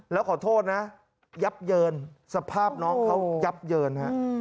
แล้วขอโทษนะยับเยินสภาพน้องเขายับเยินฮะ